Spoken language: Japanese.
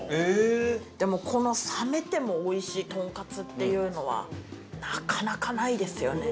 でもこの冷めてもおいしいトンカツっていうのはなかなかないですよね。